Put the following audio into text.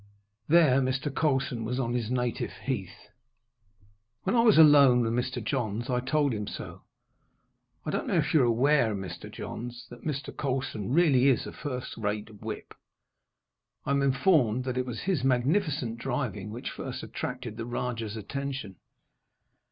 There Mr. Colson was on his native heath. When I was alone with Mr. Johns I told him so. "I don't know if you are aware, Mr. Johns, that Mr. Colson really is a first rate whip. I am informed that it was his magnificent driving which first attracted the Rajah's attention."